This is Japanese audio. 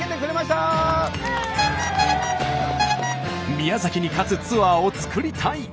宮崎に勝つツアーを作りたい！